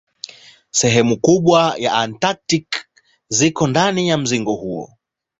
Sehemu kubwa ya Antaktiki ziko ndani ya mzingo huu.